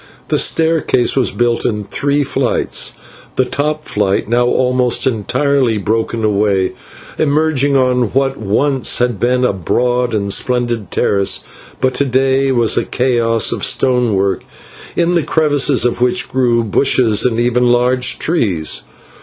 This staircase was built in three flights, the top flight, now almost entirely broken away, emerging on what once had been a broad and splendid terrace, but to day was a chaos of stonework, in the crevices of which grew bushes and even large trees.